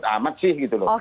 amat sih gitu loh